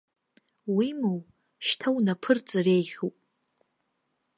Уимоу, шьҭа унаԥырҵыр еиӷьуп!